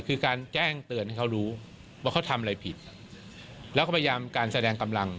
คือการแจ้งเตือนให้เขารู้ว่าเขาทำอะไรผิดแล้วก็พยายามการแสดงกำลัง